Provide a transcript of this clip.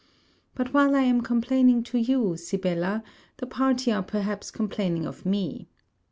But while I am complaining to you, Sibella, the party are perhaps complaining of me.